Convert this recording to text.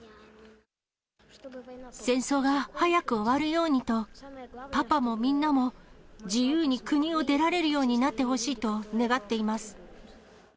戦争が早く終わるようにと、パパもみんなも、自由に国を出られるようになってほしいと願っています。